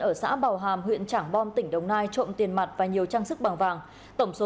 ở xã bào hàm huyện trảng bom tỉnh đồng nai trộm tiền mặt và nhiều trang sức bằng vàng tổng số